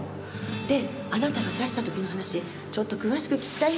であなたが刺した時の話ちょっと詳しく聞きたいんだけど。